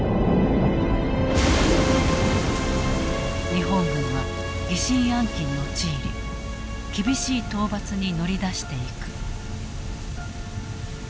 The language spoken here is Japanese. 日本軍は疑心暗鬼に陥り厳しい討伐に乗り出していく。